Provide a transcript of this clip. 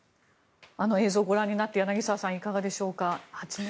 あの映像をご覧になって柳澤さんはいかがでしょうか。